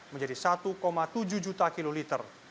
menjadi satu tujuh juta kiloliter